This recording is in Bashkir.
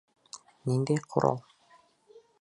Ниндәй ҡорал?